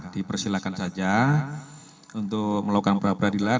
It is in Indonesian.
dipersilakan saja untuk melakukan perapradilan